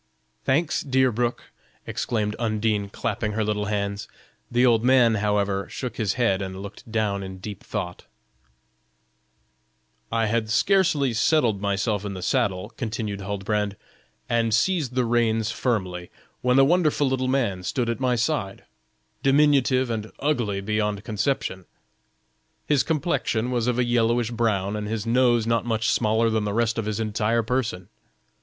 "Thanks, dear Brook," exclaimed Undine, clapping her little hands. The old man, however, shook his head and looked down in deep thought. "I had scarcely settled myself in the saddle," continued Huldbrand. "and seized the reins firmly, when a wonderful little man stood at my side, diminutive, and ugly beyond conception. His complexion was of a yellowish brown, and his nose not much smaller than the rest of his entire person.